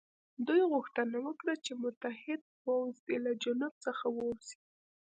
دوی غوښتنه وکړه چې متحد پوځ دې له جنوب څخه ووځي.